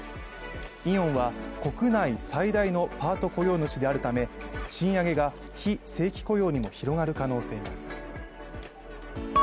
イオンは国内最大のパート雇用主であるため、賃上げが非正規雇用にも広がる可能性があります。